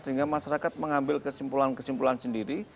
sehingga masyarakat mengambil kesimpulan kesimpulan sendiri